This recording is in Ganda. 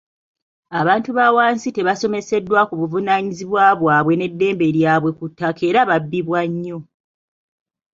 Abantu ba wansi tebasomeseddwa buvunaanyizibwa bwabwe n’eddembe lyabwe ku ttaka era babbibwa nnyo.